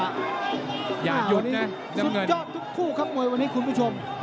กับภายวันนี้สุขยอบทุกคู่ครับ